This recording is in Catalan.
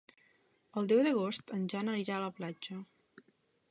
El deu d'agost en Jan anirà a la platja.